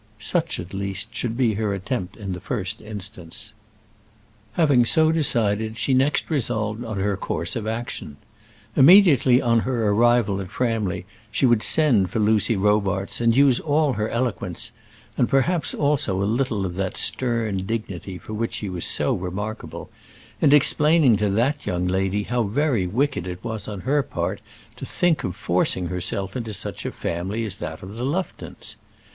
Such, at least, should be her attempt in the first instance. Having so decided, she next resolved on her course of action. Immediately on her arrival at Framley, she would send for Lucy Robarts, and use all her eloquence and perhaps also a little of that stern dignity for which she was so remarkable in explaining to that young lady how very wicked it was on her part to think of forcing herself into such a family as that of the Luftons.